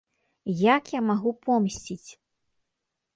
Як я магу помсціць?